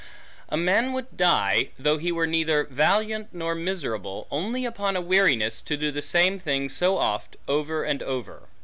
A man would die, though he were neither valiant, nor miserable, only upon a weariness to do the same thing so oft, over and over.